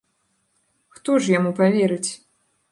Хто ж яму паверыць?